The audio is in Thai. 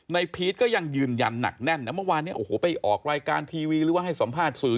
พีชก็ยังยืนยันหนักแน่นนะเมื่อวานเนี่ยโอ้โหไปออกรายการทีวีหรือว่าให้สัมภาษณ์สื่อ